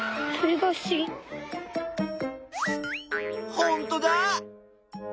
ほんとだ。